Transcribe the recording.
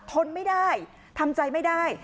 ทนไม่ได้ทำใจไม่ได้